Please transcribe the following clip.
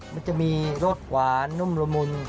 มันจะมีรสหวานนุ่มละมุน